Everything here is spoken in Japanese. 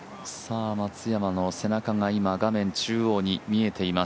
松山の背中が今、画面中央に見えています。